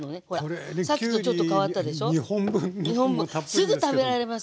すぐ食べられますよ。